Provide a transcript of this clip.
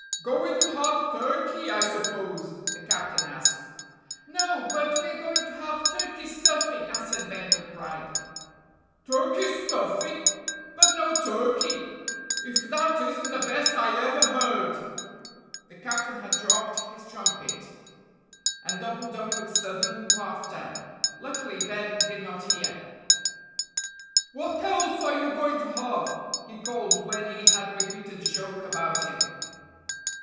"Going to have turkey, I suppose?" the captain asked. "No, but we're going to have turkey stuffing," answered Ben with pride. "Turkey stuffing, but no turkey! If that isn't the best I ever heard!" The captain had dropped his trumpet, and doubled up with sudden laughter. Luckily Ben did not hear. "What else are you going to have?" he called when he had repeated the joke about him.